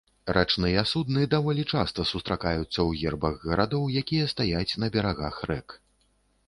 Рачныя судны даволі часта сустракаюцца ў гербах гарадоў, якія стаяць на берагах рэк.